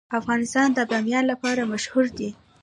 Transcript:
افغانستان د بامیان لپاره مشهور دی.